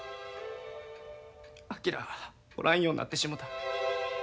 昭はおらんようになってしもた。